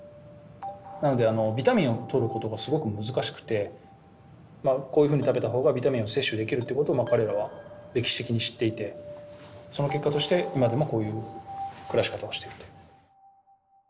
なのでビタミンをとることがすごく難しくてこういうふうに食べたほうがビタミンを摂取できるってことを彼らは歴史的に知っていてその結果として今でもこういう暮らし方をしているという。